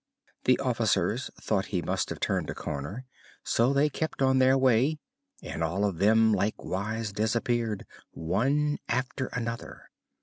The officers thought he must have turned a corner, so they kept on their way and all of them likewise disappeared one after another.